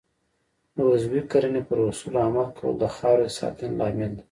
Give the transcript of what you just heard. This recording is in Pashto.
د عضوي کرنې پر اصولو عمل کول د خاورې د ساتنې لامل دی.